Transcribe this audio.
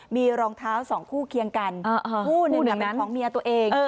มีรองเท้าสองคู่เคียงกันคู่หนึ่งเป็นของเมียตัวเอง